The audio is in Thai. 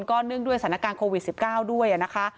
เนื่องด้วยสถานการณ์โควิด๑๙ด้วยนะคะ